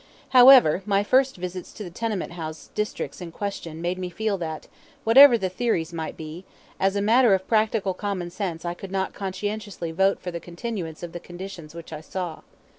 However, my first visits to the tenement house districts in question made me feel that, whatever the theories might be, as a matter of practical common sense I could not conscientiously vote for the continuance of the conditions which I saw.